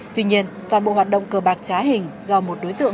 tuy nhiên toàn bộ hoạt động cờ bạc trá hình do một đối tượng